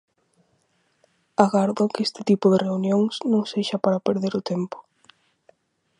Agardo que este tipo de reunións non sexa para perder o tempo.